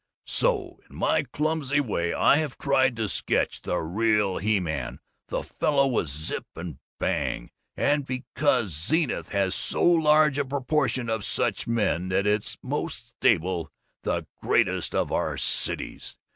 "'So! In my clumsy way I have tried to sketch the Real He man, the fellow with Zip and Bang. And it's because Zenith has so large a proportion of such men that it's the most stable, the greatest of our cities.